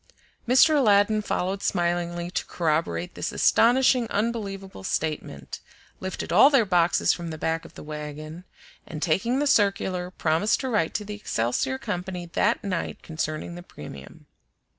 Mr. Aladdin followed smilingly to corroborate this astonishing, unbelievable statement; lifted all their boxes from the back of the wagon, and taking the circular, promised to write to the Excelsior Company that night concerning the premium.